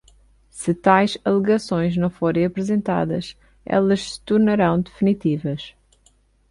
Se tais alegações não forem apresentadas, elas se tornarão definitivas.